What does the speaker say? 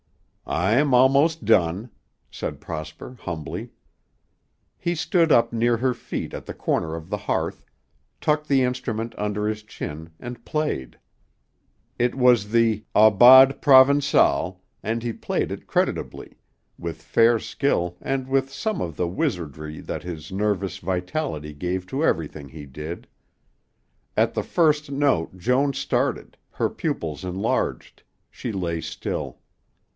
"I'm almost done," said Prosper humbly. He stood up near her feet at the corner of the hearth, tucked the instrument under his chin and played. It was the "Aubade Provençale," and he played it creditably, with fair skill and with some of the wizardry that his nervous vitality gave to everything he did. At the first note Joan started, her pupils enlarged, she lay still.